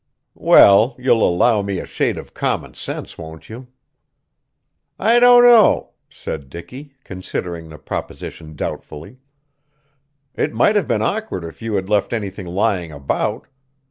"Well, you'll allow me a shade of common sense, won't you?" "I don't know," said Dicky, considering the proposition doubtfully. "It might have been awkward if you had left anything lying about.